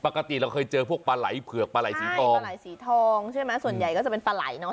ปกติเราเคยเจอพวกปลาไหล่เผือกปลาไหลสีทองปลาไหลสีทองใช่ไหมส่วนใหญ่ก็จะเป็นปลาไหล่เนอะ